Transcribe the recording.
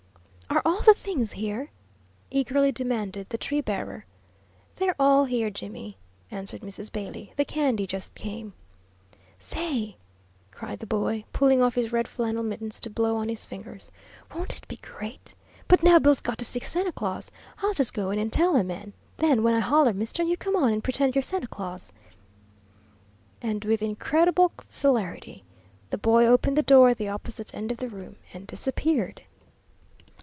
"Are all the things here?" eagerly demanded the tree bearer. "They're all here, Jimmy," answered Mrs. Bailey. "The candy just came." "Say," cried the boy, pulling off his red flannel mittens to blow on his fingers, "won't it be great? But now Bill's got to see Santa Claus. I'll just go in and tell him, an' then, when I holler, mister, you come on, and pretend you're Santa Claus." And with incredible celerity the boy opened the door at the opposite end of the room and disappeared.